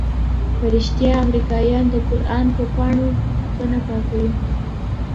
په رښتيا امريکايان د قران په پاڼو كونه پاكيي؟